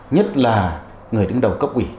nhất là người đứng đầu cấp quỷ